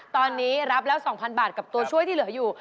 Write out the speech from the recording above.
ตอนนี้รับแล้ว๒๐๐บาทกับตัวช่วยที่เหลืออยู่